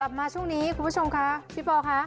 มาช่วงนี้คุณผู้ชมค่ะพี่ปอลค่ะ